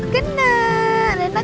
kena rena kena